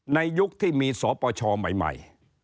ในยุคที่มีสนประชาแม่